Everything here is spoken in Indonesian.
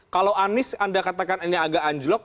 kalau anies anda katakan ini agak anjlok